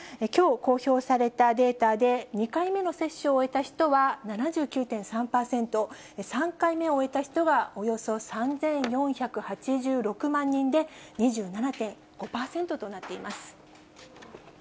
きょう公表されたデータで、２回目の接種を終えた人は７９．３％、３回目を終えた人はおよそ３４８６万人で、２７．５％となっています。